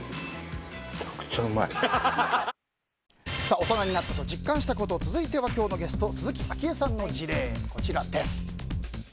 大人になったと実感したこと続いては今日のゲスト鈴木あきえさんの事例です。